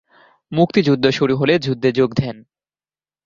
মুক্তিযুদ্ধ শুরু হলে যুদ্ধে যোগ দেন।